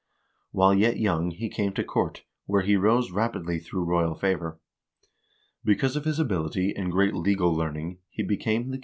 While yet young he came to court, where he rose rapidly through royal favor. Because of his ability and great legal learning he became 1 Norges gamle Love, vol.